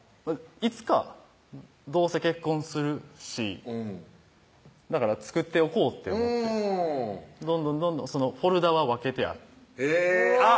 いつかどうせ結婚するしだから作っておこうって思ってどんどんフォルダは分けてあるあっ